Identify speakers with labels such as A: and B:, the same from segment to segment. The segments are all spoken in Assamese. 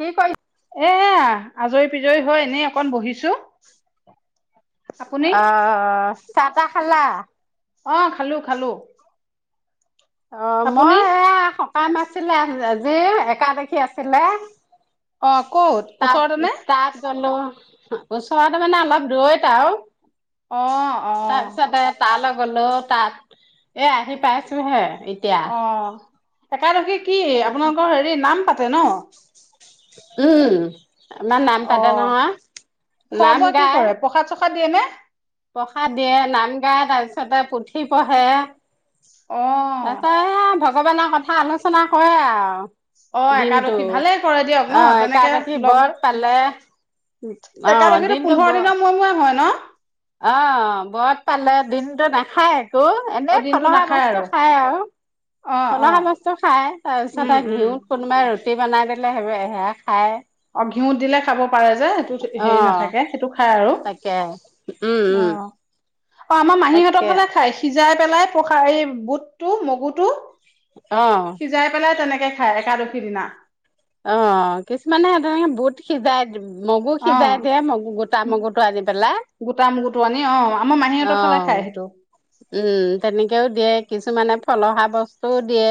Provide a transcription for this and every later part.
A: কি কৰিছ?
B: এয়া আজৰি পিজৰি হৈ হৈ এনেই অকন বহিছো। আপুনি
A: অ' চাহ তাহ খালা?
B: অ' খালো খালো।
A: অ
B: আপুনি
A: মই
B: অ
A: এয়া সকাম আছিলে। একাদখী আছিলে।
B: ক'ত
A: তাত
B: ওচৰতে নে
A: -তাত গলো। ওচৰতে মানে অলপ দূৰৈত আও।
B: অ -অ
A: গলো তাত এ আহি পাইছো হে।
B: অ' একদশী কি আপোনালোকৰ হেৰি নাম পাতে ন?
A: উম। আমাৰ নাম
B: অ
A: পাতে নহয়
B: খোৱা
A: নাম
B: বোৱা কি
A: গাই।
B: কৰে প্ৰসাদ দিয়ে নে?
A: প্ৰসাদ দিয়ে নাম গায় তাৰপিছতে পুথি পঢ়ে
B: অ
A: তাকেহে ভক ভগৱানৰ কথা আলোচনা হয় আও
B: অ একাদশী ভালেই কৰে দিয়ক ন তেনেকে
A: একাদশী
B: লগ
A: ব্ৰত
B: হৈ
A: পালে অ',
B: একাদশীতো
A: দিনটো ব
B: পোন্ধৰ দিনৰ মূৰে মূৰে হয় ন
A: অ বত পালে দিনতটো নাখায়। ত
B: অ
A: এনেই
B: দিনটো
A: খলহা
B: নাখায়
A: বস্তু
B: আৰু
A: খাই আৰু
B: অ অ
A: খলহা বস্তু খাই তাৰ পিছত
B: উম
A: আৰু
B: উম
A: ঘিউত কোনোবাই ৰুটি বনাই দে। সেইব এ
B: অ ঘিউত দিলে খাব পাৰে। যে সেইটো হেৰি
A: অ',
B: নাথাকে সেইটো খায় আৰু।
A: তাকে
B: অ
A: উম, উম
B: অ আমাৰ মাহীহঁতৰ
A: তাকে
B: ফালে খাই সিজাই। পেলাই পসা এই বুট টো মগু টো।
A: অ'।
B: সিজাই পেলাই তেনেকে। খায় একাদশী দিনা।
A: অ কিছুমানে তেনেকে বুত সিজাই। মগু
B: অ
A: সিজাই দিয়ে। মগু গোটা মগু টো আনি পেলাই
B: গোটা মগুটো আনি অ আমাৰ
A: অ
B: মাহীহঁতৰ ফালে খায় সেইটো
A: উম তেনেকেও দিয়ে। কিছুমানে ফলহা বস্তু। দিয়ে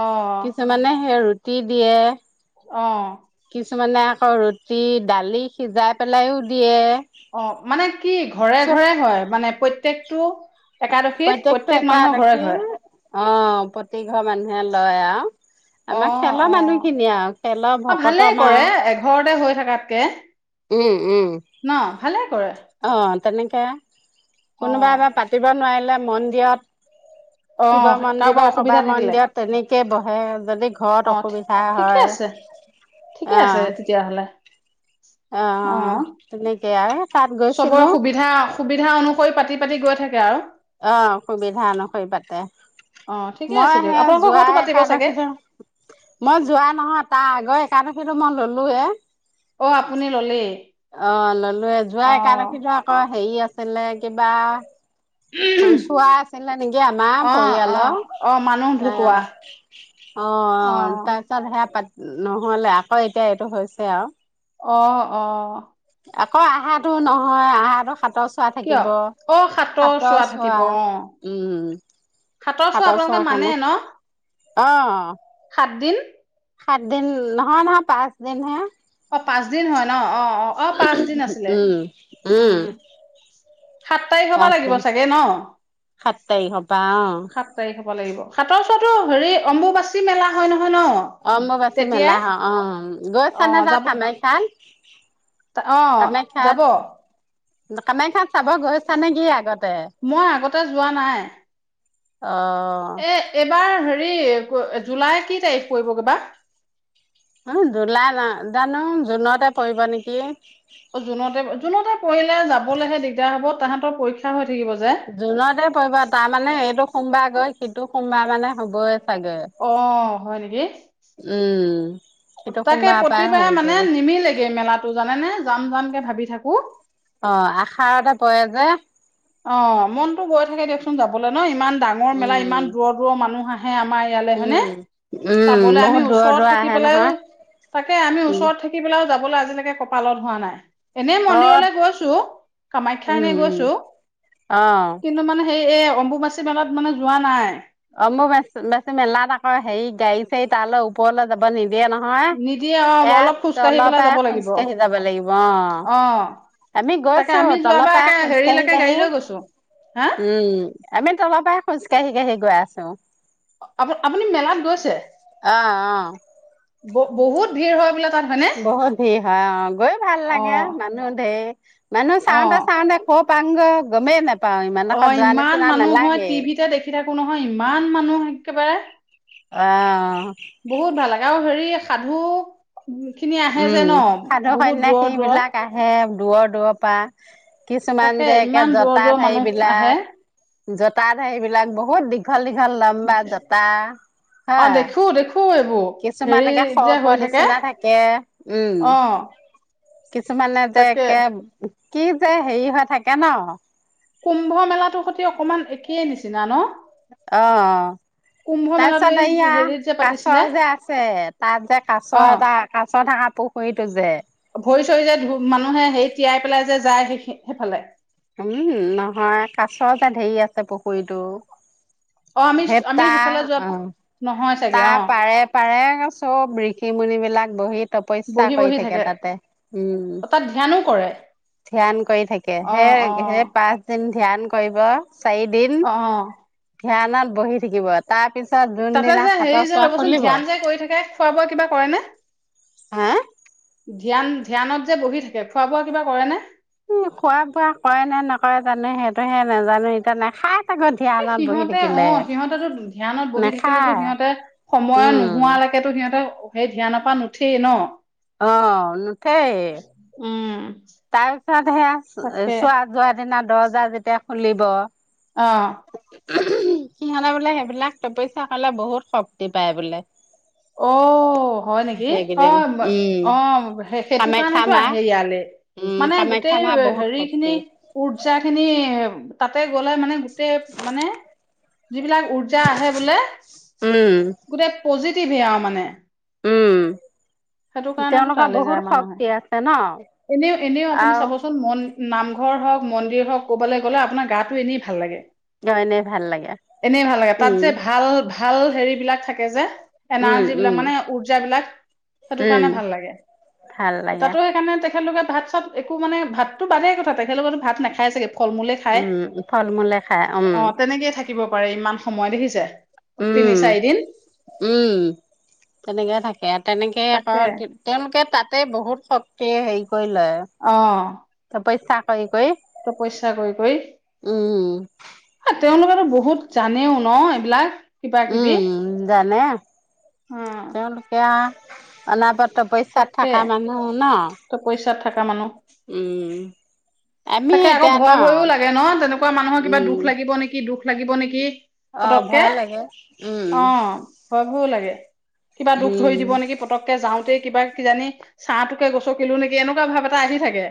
B: অ
A: কিছুমানে সেই ৰুটি। তি দিয়ে।
B: অ
A: কিছুমানে আকৌ ৰুটি দালি সিজাই পেলায়ো দিয়ে।
B: অ মানে কি ঘৰে
A: চব
B: ঘৰে হয়। মানে প্ৰত্যেকটো। একাদশীত
A: প্ৰত্যেকটো
B: প্ৰত্যেক মানুহৰ ঘৰে
A: একাদশী
B: ঘৰে
A: অ প্ৰতিঘৰ মানুহে। লয় আৱ।
B: অ
A: আমাৰ খেলৰ
B: অ
A: মানুহ খিনিয়ে আৰু খেলৰ
B: অ ভালেই
A: ভকতম আৰু
B: কৰে এঘৰতে হৈ থকাতকে
A: উম, উম
B: ন ভালে কৰে
A: আহ তেনেকে
B: অ
A: কোনোবা এবা পাতি। নোৱাৰিলে মন্দিৰত।
B: অ
A: শিৱ মন্দিৰ
B: কাৰোবাৰ
A: বা কবা
B: অসুবিধা থাকিলে
A: মন্দিৰত তেনেকেই বহে যদি ঘৰত
B: অ
A: অসুবিধা
B: ঠিকে
A: হয়
B: আছে ঠিকে আছে
A: অহ
B: তেতিয়াহ'লে
A: অহ
B: অ
A: তেনে সেয়া।
B: চবৰে সুবিধা। সুবিধা অনুসৰি পাতি পাতি গৈ থাকে। আৰু
A: অ সুবিধা অনুসৰি পাতে
B: অ ঠিকে
A: মই
B: আছে দিয়ক
A: সেই
B: আপোনালোকৰ
A: যোৱা
B: ঘৰতো পাতিব চাগে
A: একাদশীত মই যোৱা নহয়। তাৰ আগৰ একাদশীটো মই ললোৱে।
B: অ আপুনি ললেই
A: অ ললোৱে যোৱা
B: অ
A: একাদশীটো আকৌ হেৰি আছে। হলে কিবা অ চোৱা আছিলে নেকি। আমাৰ
B: অ অ
A: পৰিয়ালৰ
B: অ মানুহ ঢুকোৱা
A: এ অ
B: অ
A: তাৰপিছত হেয়া পাতি। নহলে আকৌ এতিয়া এইটো হৈছে। আৰু
B: অ অ
A: আকৌ আহাটো নহয় আহাটো। সাতৰ চোৱা
B: কিয়
A: থাকিব।
B: অ
A: সাতৰ
B: থাকিব
A: চোৱা
B: অ
A: উম সাতৰ
B: আপোনালোকে
A: চোৱা
B: মানে
A: কাৰণে
B: ন
A: অ।
B: সাত দিন
A: সাত দিন নহয় নহয় পাঁচ দিন হে
B: অ পাঁচ দিন হয় অ পাচ দিন আছিলে
A: উম উম
B: সাত তাৰিখৰ পৰা
A: পাঁচ
B: লাগিব
A: দিন
B: চাগে ন
A: সাত তাৰিখৰ পৰা অ
B: সাত তাৰিখ হেৰি অম্বুবাচী মেলা হয় নহয় ন
A: অম্বুবাচী
B: তেতিয়াই
A: মেলা হ হয় অ
B: অ
A: গৈছানে তাত
B: যাব
A: কামাখ্যা
B: তা- অ
A: কামাখ্যাত
B: যাব
A: কামাখ্যাত চাব গৈছা নে কি আগত
B: মই আগতে যোৱা নাই
A: অ',
B: এ এবাৰ হে হৰি জুলাই কি তাৰিখ পৰিবগৈ বা
A: উ জুলাই ন জানো জুনতে পৰিব নেকি
B: জুনতে, জুনতে পৰিলে যাবলৈহে দিগদাৰ হব তাহাঁতৰ পৰীক্ষা হয়
A: জুনতে পৰিব তাৰমানে এইটো সোমবাৰ গৈ সিটো সোমবাৰ মানে হ'বই চাগে,
B: অ হয় নেকি
A: উম। সিটো
B: তাকে
A: সোমবাৰৰ পৰাই
B: প্ৰতিবাৰে
A: হেৰি
B: মানে
A: পৰিব,
B: নিমিলেগে মেলাটো জানেনে জাম জাম কে ভাবি থাকো
A: অ আহাৰতে পৰে যে
B: অ মনতো গৈ থাকে দিয়কচোন যাবলৈ ন ইমান ডাঙৰ মেলা
A: উম।
B: ইমান দূৰৰ দূৰৰ মানুহ আহে হে আমাৰ ইয়ালে হয়নে
A: উম, উম,
B: চাবলে
A: বহুত
B: আমি
A: দূৰৰ
B: ওচৰত
A: দূৰৰ
B: থাকি
A: আহে
B: পেলাইও
A: নহয়,
B: তাকে আমি
A: উম,
B: ওচৰত থাকি পেলাইও যাব লৈ আজিলৈকে কপালত হোৱা নাই এনেই
A: অ',
B: মন্দিৰলৈ গৈছো কামাখ্যা এনে গৈছো
A: আহ
B: এই এই অম্বুবাচী মেলাত মানে যোৱা নাই
A: অ মোৰ বে বেছি মেলাত আকৌ হেৰি গাড়ী চাৰী তালৈ ওপৰলৈ যাব নিদিয়ে দিয়ে নহয়
B: নিদিয়ে অ
A: ইয়াত
B: অলপ খোজকাঢ়ি
A: তলৰ
B: পেলাই
A: পৰাই
B: যাব লাগিব
A: খোজকাঢ়ি যাব লাগিব অ
B: অ
A: আমি
B: তাকে
A: গৈছো
B: আমি
A: তলৰ
B: যোৱাবাৰ
A: পৰাই
B: একে
A: খোজকাাশঢ়ি
B: হেৰিলৈকে গাড়ী
A: কাঢ়ি
B: লৈ গৈছো হা
A: উম আমি তলৰ পৰাই খোজকাাঢ়ি কাঢ়ি গৈ আছো
B: আপুনি আপুনি মেলাত গৈছে
A: অ অ
B: বহুত ভিৰ হয় বোলে? তাত হয়নে
A: বহুত ভিৰ হয় অ গৈ ভাল
B: অ
A: লাগে মানুহ ধেৰ মানুহ
B: অ
A: চাওঁতে চাওঁতে খুব কত পাও গৈ গমেই নাপাও ইমান দখৰ
B: অঁ
A: যোৱা
B: ইমান
A: নিচিনা
B: মানুহ হয়
A: নালাগে
B: টিভিতে দেখি থাকো নহয় ইমান মানুহ একেবাৰে
A: অঁ
B: বহুত ভাল লাগে আৰু হেৰি সাধু খিনি আহে যে
A: উম
B: ন বহুত দূৰৰ
A: সাধুসন্য়াসী
B: দূৰৰ
A: বিলাক আহে দূৰ দূৰৰ পৰা কিছুমান
B: তাকে
A: যে
B: ইমান দূৰৰ দূৰৰ
A: জতধাৰী
B: মানুহ আহে
A: বিলাক জোতা ধাৰী বিলাক বহুত দীঘল দীঘল দীঘল লম্বা জোতা হা
B: অ দেখো দেখো এইবোৰ
A: কিছুমান
B: হেৰি
A: একে খ
B: যে হৈ
A: পৰাৰ নিচিনা থাকে উম
B: অ
A: কিছুমান এ যে
B: তাকে
A: একে কি যে হেৰি হৈ থাকে ন
B: কুম্ভ মেলাৰ সতি অকমান একেই নিচিনা ন
A: অঁ
B: কুম্ভ মেলাটো এই
A: তাৰপিছত এয়া
B: হেৰিত যে
A: কাছ
B: পাতিছিলে
A: যে আছে তাত যে কাছ
B: অ
A: এটা কাছ থকা পুখুৰীত টো যে
B: ভৰি চৰি যে ধু মানুহে সেই টিয়াই পেলাই যে যায়
A: উম নহয় কাছ যে তাত ধেৰি আছে আছে পুখুৰীতটো
B: অঁ আমি আমি সেইফালে যোৱাতো নহয় চাগে
A: তাৰ
B: অ
A: পাৰে পাৰে চব ঋষি মুুনিবলাক বহি তপস্যা
B: বহি
A: কৰি
B: বহি
A: থাকে তাতে উম
B: অ তাত ধ্যানো কৰে
A: ধ্যান কৰি থাকে
B: অ
A: সেই
B: অ
A: সেই পাচদিন ধ্যান কৰিব চাৰদিন
B: অ অ
A: ধ্যানাত বহি থাকিব তাৰপিছত
B: তাতে
A: জোনদিনা
B: যে হেৰি যে ৰ'বচোন ধ্যান যে কৰি থাকে খোৱা বোৱা কিবা কৰে ন
A: হাঁ
B: ধ্যান ধ্যানত যে বহি থাকে খোৱা বোৱা কিবা কৰে নে
A: উম খোৱা বোৱা কৰে নে নকৰে জানো সেইটোহে নাজানো ইতিয়া নাই খাই
B: এ সিহঁতে অ সিহঁতেতটো ধ্যানত বহি থাকিলেতো
A: নাখায়
B: সিহঁতে সময়
A: উম,
B: নোহোৱালৈকেতো সিহঁতে সেই ধ্যান নপা নুঠেই ন
A: অঁ নুঠেই
B: উম।
A: তাৰ পিছত সেয়া
B: তাকে
A: চোৱা যোৱা দিনত দহ হজাৰ যেতিয়া খুলিব
B: অ',
A: উম ', সিহঁতে বোলে সেইবিলাক তপইচা কলে বহুত শক্তি পায় বোলে।
B: অ', হয় নেকি
A: সেইকেইদিন
B: অ',
A: উম
B: - অ', সেইটো
A: কামাখ্যা
B: কাৰণেতো
A: মা
B: আহে ইয়ালে।
A: উম
B: মানে
A: কামাখ্যা
B: গোটেই
A: মা বহুত
B: হেৰি খিনি
A: শক্তি
B: উওৰ্জা খিনি তাতে গ'লে মানে গোটেই মানে যিবিলাক উৰ্জা আহে বোলে
A: উম
B: গোটেই পজি পি বেয়া মানে
A: উম
B: সেইটো কাৰণেতটো
A: তেওঁলোকৰ
B: তালৈ
A: বহুত
B: যায় মানুহে
A: শক্তি আছে ন
B: এনেও- এনেও আপুনি
A: আৰু
B: চাবচোন মন নামঘৰ হওক মন্দিৰ হওক ক'বাল গ'লে আপোনাৰ গাটো এনেই ভাল লাগে।
A: এনেই ভাল লাগে
B: এনে ভাল লাগে তাত যে
A: উম
B: ভাল -ভাল হেৰিবলাক থাকে থাকে যে।
A: উম
B: এনাৰ্জী বিলাক
A: উম
B: মানে ওৰ্জাাবিলাক সেইটো
A: উম
B: কাৰণে ভাল লাগে
A: ভাল লাগে
B: তাতো সেইকাৰণে তেখেতলোকে ভাত চাত একো মানে ভাতটো বাদেই কথা তেখেত সকলেতো ভাত নাখায় চাগে? ফল মূলে খায়
A: উম', ফল মূলে খায় উম',
B: অ তেনেকেই থাকিব পাৰে ইমান সময় দেখিছে? তিনি
A: উম',
B: চাৰিদিন
A: - উম', তেনেকে থাকে। তেনেকৈ আকৌ
B: তাকে
A: তেওঁলোকে তাতে বহুত শক্তিয়ে হেৰি কৰি লয়,
B: অ
A: তপস্যা কৰি কৰি
B: তপস্যা কৰি -কৰি
A: উম
B: হ ', তেওঁলোকেত বহুত জানেও ন এইবিলাক কিবা কিবি
A: উম', জানে
B: অ
A: তেওঁলোকে আ', অনা বত তপস্যাত
B: তাকে
A: থকা মানুহ ন',
B: তপস্যাত থকা মানুহ
A: উম আমি
B: তাকে আকৌ
A: এতিয়া ন
B: ভয় -ভয়ও লাগে ন তেনেকুৱা মানুহৰ কিবা
A: উম
B: দুখ লাগিব নেকি দুখ লাগিব নেকি?
A: অ',
B: পতককে
A: ভয় লাগে
B: অ
A: উম',
B: ভয় লাগে। কিবা দুখ
A: উম
B: ধৰি দিব নেকি পতককে যাওঁ কিবা কিজানি চাহটোকে গছ কিলো নেকি এনেকুৱা ভাৱ এটা এটা আহি থাকে,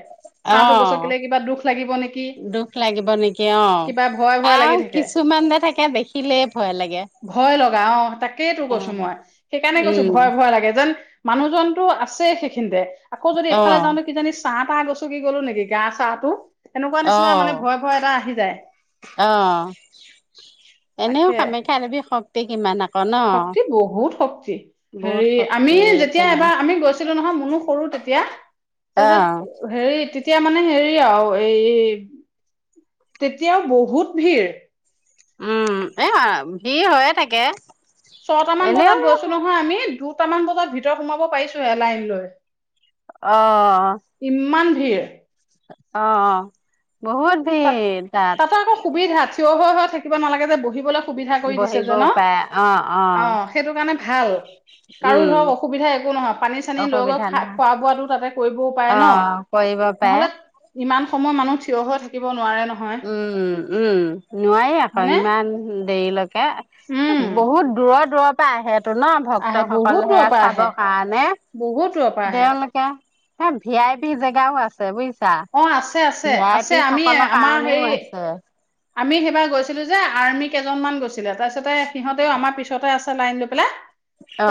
A: অ
B: ছাহটো গচকিলে কিবা দুখ লাগিব নেকি
A: দুখ লাগিব নেকি অ
B: কিবা ভয় ভয় লাগি
A: আৰু
B: থাকে।
A: কিছুমান যে থাকে দেখিলেই ভয় লাগে
B: ভয় লগা অ তাকেই তো
A: অ
B: কৈছো মই সেইকাৰণে কৈছো
A: উম
B: ভয় ভয় লাগে যেন। মানুহ জনটো আছে সেইখিনিতে আকৌ যদি
A: অ
B: এফালে যাওঁতে কিজানি চাহ তাহ গছকি গলো নেকি গা চাহ টো
A: অ আহ এনেও
B: তাকে
A: কামাখ্যা দেৱীৰ শক্তি কিমান আকৌ ন
B: শক্তি বহুত
A: বহুত শক্তিৰ
B: তেতিয়া এবাৰ আমি গৈছিলো নহয় মনো সৰু তেতিয়া
A: অ
B: তাৰপিছত হেৰি এতিয়া মানে হেৰি আৰু এই তেতিয়াও বহুত ভিৰ
A: উম এই ভিৰ হৈয়ে থাকে
B: ছটামান
A: এনেও
B: বজাত গৈছো নহয় আমি দু দুটামান বজাত ভিতৰত সোমাব পাৰিছোহে লাইন লৈ
A: অঁ
B: ইমান ভিৰ
A: অঁ অঁ
B: তাত তাতো আকৌ সুবিধা থিয় হৈ হৈ থাকে কিব নালাগে যে বহিবলৈ সুবিধা কৰি দিছে যে
A: বহিবও
B: ন
A: পাৰে অ
B: অ সেইটো কাৰণে ভাল কাৰো
A: উম
B: ধৰক অসুবিধা একো নহয় পানী চানী লৈ গৈ
A: অসুবিধা
B: খা
A: নহয়
B: খোৱা বোৱাটো তাতে কৰিবও পাৰে
A: অ
B: ন
A: কৰিব পাৰে
B: নহলে ইমান অসমৰ মানুহ থিয় হৈ থাকে থাকিব নোৱাৰে নহয়
A: উম উম নোৱাৰেই আকৌ
B: হয়নে
A: ইমান দেৰিলৈকে এ
B: উম
A: বহুত দূৰৰ দূৰ পা আহে টো ন
B: আহে
A: ভক্তসকল
B: বহুত দূৰৰ
A: সেয়া
B: পৰা
A: চাব
B: আহে
A: কাৰণে
B: বহুত দূৰৰ পৰা আহে
A: দেৱালকে এ ভি আই পি জেগাও আছে বুজিছ
B: অ আছে আছে আছে আমি আমাৰ
A: কাৰণেও
B: হেৰি
A: আছে
B: আমি সেইবাৰ গৈছিলো যে আৰ্মি কেইজনমান গৈছিলে তাৰপিছতে সিহঁতেও আমাৰ পিছতে আছে লাইন লৈ পেলাই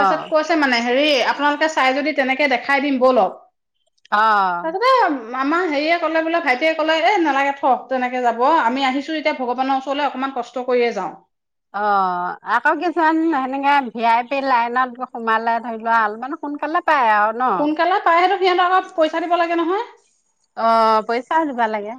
A: অ
B: কৈছে মানে হেৰি আপোনালোকে চাই যদি তেনেকে দেখাই দিম ব'লক
A: অ
B: তাৰপিছতে আমাৰ হেৰিযে কলে বোলে ভাইটিয়ে ক'লে এ নালাগে থ তেনেকে যাব আমি আহিছো এতিয়া ভগৱানৰ ওচৰলৈ অকনমান কষ্ট কৰিয়ে যাওঁ
A: অ আকৌ কিছুমান সেনেকাে ভি আই পি লাইনত সোমালে ধৰি লোৱা অলপমান সোনকালে পায় আৰু ন
B: সোনকালে পাৰে সিহঁতক অলপ পইচা দিব লাগে নহয়?
A: অ' পইচাও দিবা লাগে।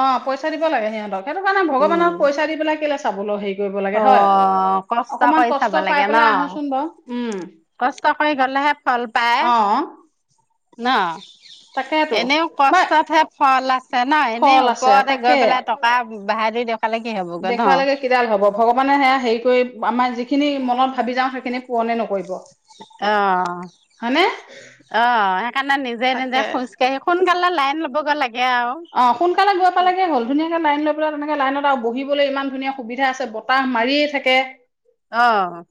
B: অ' পইচা দিব লাগে সিহঁতক সেইটো কাৰণে ভগৱানক
A: উম
B: পইচা দি পেলাই কে চাবলৈ স
A: অ' কষ্ট কৰি
B: কষ্ট
A: চাব
B: পাই
A: লাগে ন
B: পেলাই আহোচোন বাৰু উম
A: কষ্ট কৰি গলেহে ফল পায়
B: অ
A: ন
B: তাকেতো
A: এনেও
B: বা
A: কষ্টতহে ফল আছে। [unintelligible] এনেই
B: ফল আছে
A: ওপৰতে গৈ
B: তাকে
A: পেলাই টকা বাহ দিয়ক
B: দেখুৱালৈকে কিডাল হ'ব। ভগৱানে সেয়া হেৰি কৰি আমাৰ যিখিনি মনত ভাবি যাওঁ সেইখিনি পূৰণেই নকৰিব। হয়নে
A: অ-অ সেইকাৰণে নিজে-নিজে
B: তাকে
A: খোজকাঢ়ি শুন গাল লাইন ল'ব গ লাগে। আৰু
B: অ' সোনকালে গৈ পালে হ'ল ধুনীয়াকে লাইন লৈ পেলাই তেকে লাইনত আৰু বহিবলৈ ইমান ধুনীয়া সুবিধা আছে বতাহ মাৰিয়ে থাকে।
A: অ',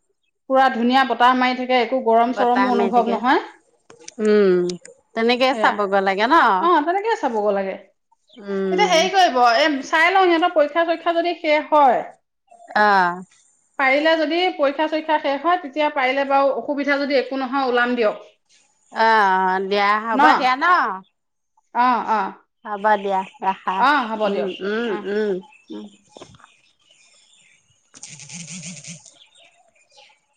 B: পুৰা ধুনীয়া বতাহ মাৰি থাক একে গৰম
A: বতাহ
B: চৰমো
A: মাৰি
B: অনুভৱ
A: থাকে
B: নহয়।
A: উম তেনেকেই
B: সেয়া
A: চাবগৈ লাগে ন
B: অ' তেনেকে চাব গ লাগে। এতিয়া
A: উম
B: হেৰি কৰিব এই চাই লওঁ সিহঁতৰ পৰীক্ষা-চৰীক্ষা যদি শেষ হয়,
A: আহ,
B: পাৰিলে যদি পৰীক্ষা-চৰীক্ষা শেষ হয়। তেতিয়া পাৰিলে বাৰু অসুবিধা যদি একো নহয় ওলাম দিয়ক।
A: অ', দিয়া হ'বা দিয়া ন।
B: অ, -অ,
A: হব দিয়া ৰাখা
B: অ হ'ব দিয়ক অ
A: উম-উম-উম,
B: উ
A: হ [unintelligible] হ